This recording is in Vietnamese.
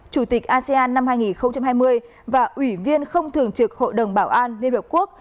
chủ tịch asean năm hai nghìn hai mươi và ủy viên không thường trực hội đồng bảo an liên hợp quốc